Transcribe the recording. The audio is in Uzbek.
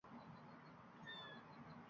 Hammol qavmin kechgani loy, degani: «Voy!!!»